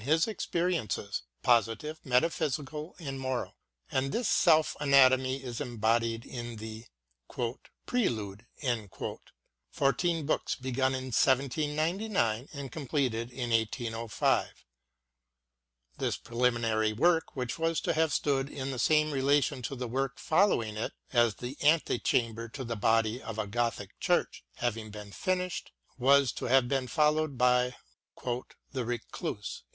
io6 WORDSWORTH AS A TEACHER his experiences, positive, metaphysical and moral. And this self anatomy is embodied in the " Pre lude," fourteen books begun in 1799 and com pleted in 1 805 . This preliminary work, which was to have stood in the same relation to the work following it as the ante chamber to the body of a Gothic church, having been finished, was to have been followed by " The Recluse."